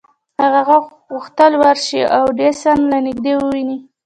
هغه غوښتل ورشي او ایډېسن له نږدې وويني.